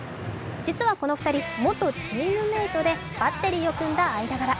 実はこの２人、元チームメイトでバッテリーを組んだ間柄。